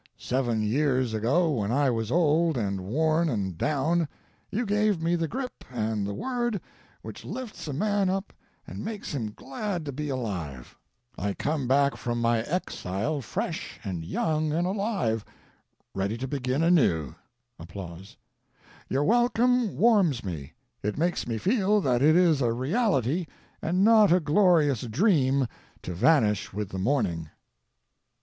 Seven years ago when I was old and worn and down, you have me the grip and the word which lifts a man up and makes him glad to be alive. I come back from my exile fresh and young and alive, ready to begin anew. Your welcome warms me, it makes me feel that it is a reality and not a glorious dream to vanish with the morning."